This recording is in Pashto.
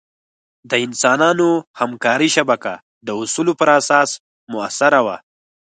د انسانانو همکارۍ شبکه د اصولو پر اساس مؤثره وه.